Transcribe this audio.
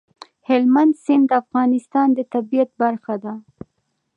هلمند سیند د افغانستان د طبیعت برخه ده.